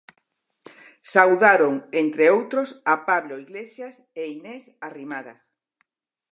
Saudaron, entre outros, a Pablo Iglesias e Inés Arrimadas.